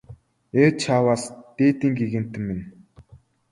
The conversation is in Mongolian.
Ээ чааваас дээдийн гэгээнтэн минь!